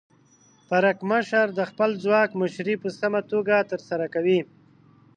پرکمشر د خپل ځواک مشري په سمه توګه ترسره کوي.